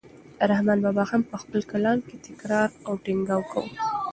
رحمان بابا هم په خپل کلام کې تکرار او ټینګار کاوه.